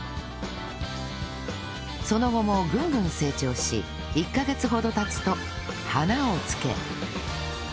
その後もぐんぐん成長し１カ月ほど経つと花をつけ